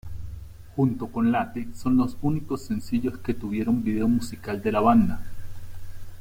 Junto con Late son los únicos sencillos que tuvieron vídeo musical de la banda.